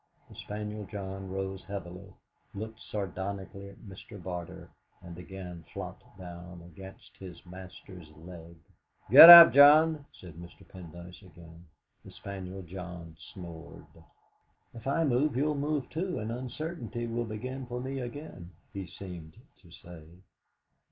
The spaniel John rose heavily, looked sardonically at Mr. Barter, and again flopped down against his master's leg. "Get up, John," said Mr. Pendyce again. The spaniel John snored. '.f I move, you'll move too, and uncertainty will begin for me again,' he seemed to say.